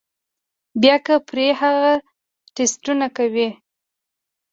بيا کۀ پرې هغه ټسټونه کوي